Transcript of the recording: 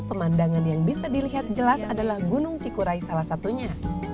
pemandangan yang bisa dilihat jelas adalah gunung cikurai salah satunya